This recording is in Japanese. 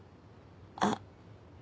あっ。